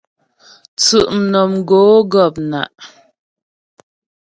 Tsʉ'mnɔmgǒ gɔ̂pnǎ'.